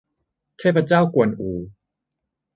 เทพเจ้ากวนอู